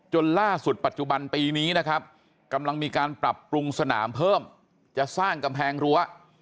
จนล่าสุดปัจจุบันปีนี้นะครับกำลังมีการปรับปรุงสนามเพิ่มจะสร้างกำแพงรั้ว